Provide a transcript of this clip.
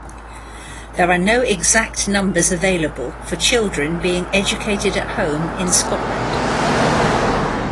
There are no exact numbers available for children being educated at home in Scotland.